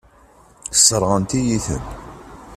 Sseṛɣent-iyi-ten.